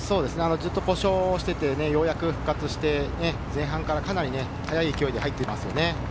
ずっと故障していて、ようやく復活して、前半からかなり速い勢いで入っていますよね。